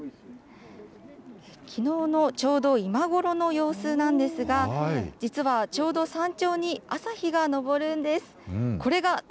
きのうのちょうど今頃の様子なんですが、実はちょうど山頂に朝日が昇るんです。